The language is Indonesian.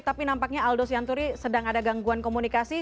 tapi nampaknya aldo sianturi sedang ada gangguan komunikasi